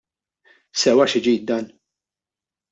Sewa xi ġid dan?